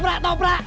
prak atau prak